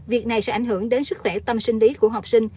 việc này sẽ ảnh hưởng đến sức khỏe tâm sinh lý của học sinh